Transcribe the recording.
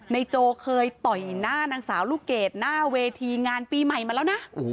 โจเคยต่อยหน้านางสาวลูกเกดหน้าเวทีงานปีใหม่มาแล้วนะ